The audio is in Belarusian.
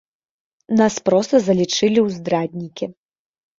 Нас проста залічылі ў здраднікі.